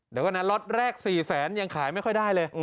เดี๋ยวก่อนนะล็อตแรก๔แสนยังขายไม่ค่อยได้เลย